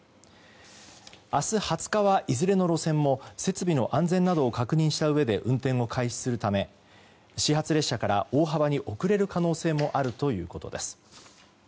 明日２０日は、いずれの路線も設備の安全などを確認したうえで運転を開始するため始発列車から大幅に遅れる可能性もあるということです。